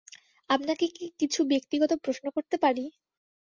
আপনাকে কি কিছু ব্যক্তিগত প্রশ্ন করতে পারি?